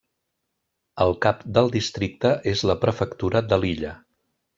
El cap del districte és la prefectura de Lilla.